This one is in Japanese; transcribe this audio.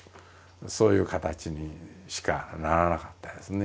そういう形にしかならなかったですね。